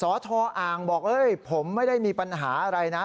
สทอ่างบอกผมไม่ได้มีปัญหาอะไรนะ